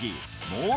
もう